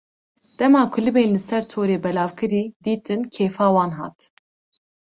Dema ku libên li ser torê belavkirî, dîtin kêfa wan hat.